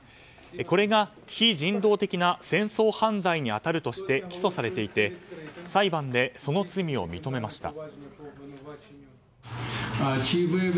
これが、非人道的な戦争犯罪に当たるとして起訴されていて裁判でその罪を認めました。